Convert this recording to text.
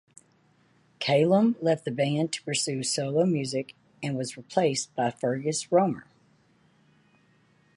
Calum left the band to pursue solo music and was replaced by Fergus Romer.